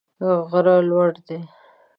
غره لوړي دي.